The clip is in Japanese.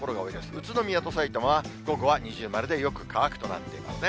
宇都宮とさいたまは午後は二重丸でよく乾くとなっていますね。